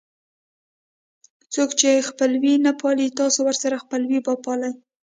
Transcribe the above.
څوک چې خپلوي نه پالي تاسې ورسره خپلوي وپالئ.